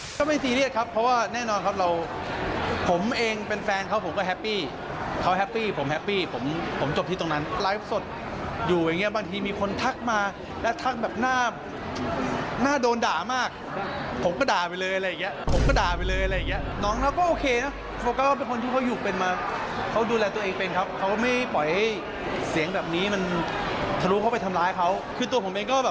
ก็ไม่ซีเรียสครับเพราะว่าแน่นอนครับเราผมเองเป็นแฟนเขาผมก็แฮปปี้เขาแฮปปี้ผมแฮปปี้ผมผมจบที่ตรงนั้นไลฟ์สดอยู่อย่างเงี้บางทีมีคนทักมาแล้วทักแบบหน้าโดนด่ามากผมก็ด่าไปเลยอะไรอย่างเงี้ยผมก็ด่าไปเลยอะไรอย่างเงี้ยน้องเราก็โอเคนะเขาก็เป็นคนที่เขาอยู่เป็นมาเขาดูแลตัวเองเป็นครับเขาไม่ปล่อยให้เสียงแบบนี้มันทะลุเข้าไปทำร้ายเขาคือตัวผมเองก็แบบ